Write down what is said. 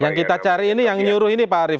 yang kita cari ini yang nyuruh ini pak arief